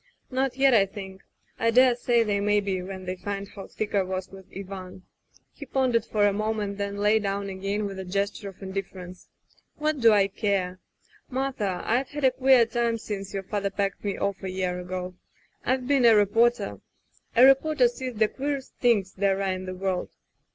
"Not yet, I think. I dare say they may be when they find how thick I was with Ivan —" He pondered for a moment, then lay down again with a gesture of indifference, "What do I care! ... "Martha, I've had a queer time since your father packed me off a year ago. I've been a reporter. A reporter sees the queerest things there are in the world.